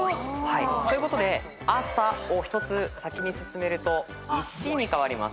ということで「あさ」を１つ先に進めると「いし」に変わります。